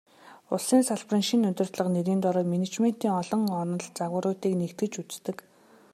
Улсын салбарын шинэ удирдлага нэрийн доор менежментийн олон онол, загваруудыг нэгтгэж үздэг.